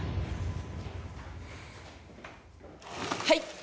はい！